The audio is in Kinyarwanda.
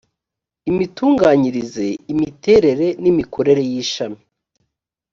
imitunganyirize imiterere n imikorere y ishami